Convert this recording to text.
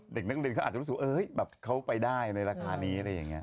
เธอมันเล่าใจดิฉันก็พูดอย่างกลางกลาง